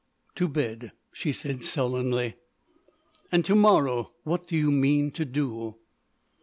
"To bed," she said, sullenly. "And to morrow what do you mean to do?"